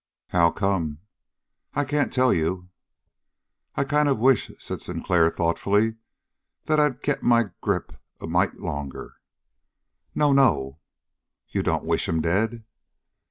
"How come?" "I can't tell you." "I kind of wish," said Sinclair thoughtfully, "that I'd kept my grip a mite longer." "No, no!" "You don't wish him dead?"